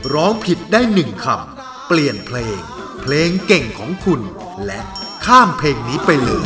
ร้องผิดได้๑คำเปลี่ยนเพลงเพลงเก่งของคุณและข้ามเพลงนี้ไปเลย